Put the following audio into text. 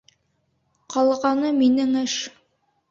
Ҡалғаны минең эш.